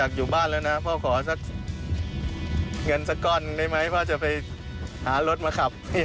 คือผมก็เคยหยุดประมาณเกือบปี